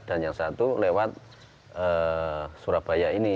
dan yang satu lewat surabaya ini